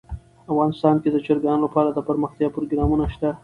افغانستان کې د چرګانو لپاره دپرمختیا پروګرامونه شته.